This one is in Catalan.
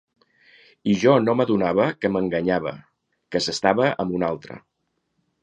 I jo no m'adonava que m'enganyava, que s'estava amb una altra...